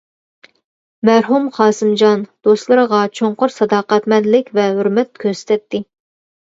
مەرھۇم قاسىمجان-دوستلىرىغا چوڭقۇر ساداقەتمەنلىك ۋە ھۆرمەت كۆرسىتەتتى.